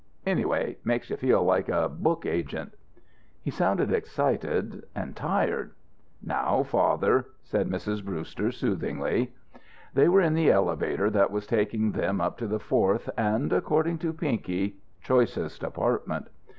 Anyway, it makes you feel like a book agent." He sounded excited and tired. "Now, father!" said Mrs. Brewster, soothingly. They were in the elevator that was taking them up to the fourth and (according to Pinky) choicest apartment.